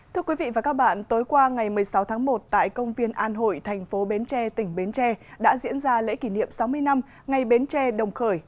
thưa quý vị và các bạn tối qua ngày một mươi sáu tháng một tại công viên an hội thành phố bến tre tỉnh bến tre đã diễn ra lễ kỷ niệm sáu mươi năm ngày bến tre đồng khởi